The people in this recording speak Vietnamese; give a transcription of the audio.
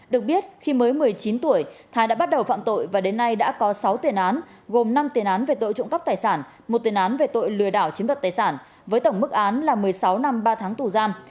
được biết khi mới một mươi chín tuổi thái đã bắt đầu phạm tội và đến nay đã có sáu tiền án gồm năm tiền án về tội trộm cắp tài sản một tiền án về tội lừa đảo chiếm đoạt tài sản với tổng mức án là một mươi sáu năm ba tháng tù giam